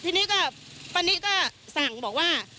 ทีนี้ก็ป้านิก็สั่งบอกว่า